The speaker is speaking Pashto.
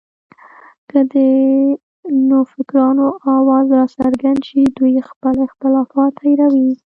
که د نوفکرانو اواز راڅرګند شي، دوی خپل اختلافات هېروي